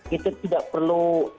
kita tidak perlu